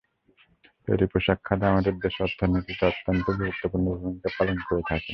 তৈরি পোশাক খাত আমাদের দেশের অর্থনীতিতে অত্যন্ত গুরুত্বপূর্ণ ভূমিকা পালন করে থাকে।